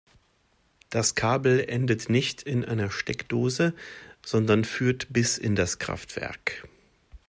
Das Kabel endet nicht in einer Steckdose, sondern führt bis in das Kraftwerk.